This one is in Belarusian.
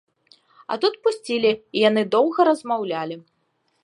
А тут пусцілі, і яны доўга размаўлялі.